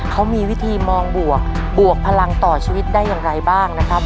เขามีวิธีมองบวกบวกพลังต่อชีวิตได้อย่างไรบ้างนะครับ